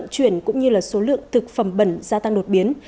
vận chuyển cũng như là số lượng thực phẩm bẩn gia tăng đột biến